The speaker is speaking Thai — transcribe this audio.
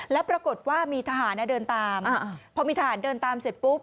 แล้วปรากฏว่ามีทหารเดินตามพอมีทหารเดินตามเสร็จปุ๊บ